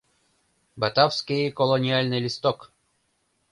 — “Батавский колониальный листок!”